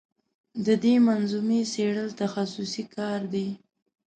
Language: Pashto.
د دې منظومې څېړل تخصصي کار دی.